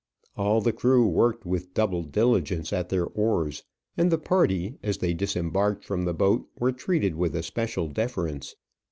All the crew worked with double diligence at their oars, and the party, as they disembarked from the boat, were treated with especial deference.